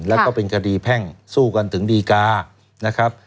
แล้วก็เป็นคดีแพ่งสู้กันถึงดีกานะครับ